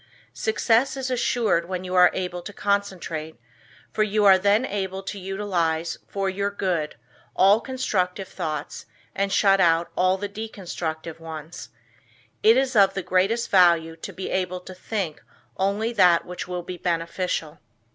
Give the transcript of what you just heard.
Success is assured when you are able to concentrate for you are then able to utilize for your good all constructive thoughts and shut out all the destructive ones. It is of the greatest value to be able to think only that which will be beneficial.